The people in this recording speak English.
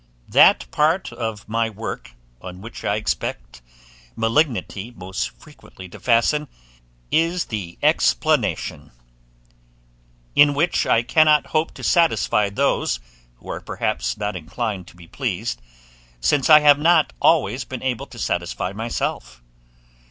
That part of my work on which I expect malignity most frequently to fasten, is the explanation; in which I cannot hope to satisfy those, who are perhaps not inclined to be pleased, since I have not always been able to satisfy myself.